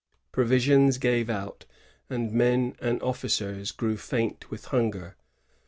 Provisions gave out, and men and officers grew faint with hunger.